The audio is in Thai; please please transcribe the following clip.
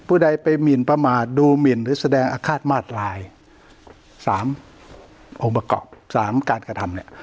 ใดไปหมินประมาทดูหมินหรือแสดงอาฆาตมาตรายสามองค์ประกอบสามการกระทำเนี่ย